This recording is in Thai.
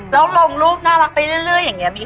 แล้วลงรูปน่ารักไปเรื่อยอย่างนี้